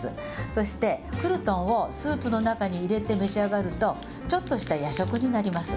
そしてクルトンをスープの中に入れて召し上がると、ちょっとした夜食になります。